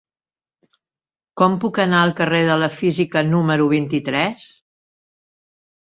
Com puc anar al carrer de la Física número vint-i-tres?